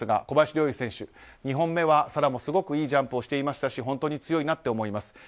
小林陵侑選手、２本目は沙羅もすごくいいジャンプをしていましたし本当に強いなと思います。